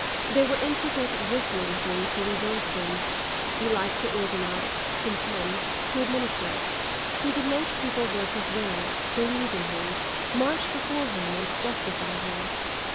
There were intricate, bristling things he rejoiced in; he liked to organise, to contend, to administer; he could make people work his will, believe in him, march before him and justify him.